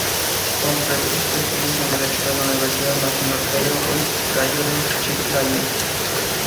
Completó sus estudios en Derecho en la Universidad Nacional Pedro Ruiz Gallo de Chiclayo.